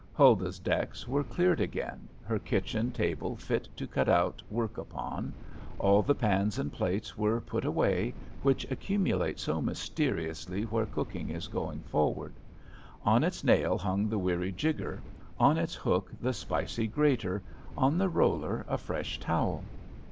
Huldah's decks were cleared again, her kitchen table fit to cut out "work" upon, all the pans and plates were put away, which accumulate so mysteriously where cooking is going forward; on its nail hung the weary jigger, on its hook the spicy grater, on the roller a fresh towel.